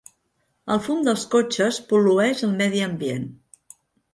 El fum dels cotxes pol·lueix el medi ambient.